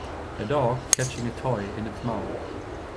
A dog catching a toy in its mouth.